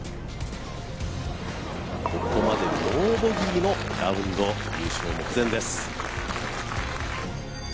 ここまでノーボギーのラウンド優勝目前です。